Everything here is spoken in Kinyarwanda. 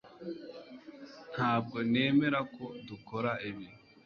Ntabwo nemera ko dukora ibi